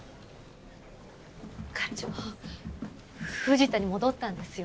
課長「藤田」に戻ったんですよ。